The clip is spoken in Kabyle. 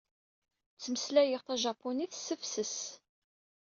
Ttmeslayeɣ tajapunit s tefses.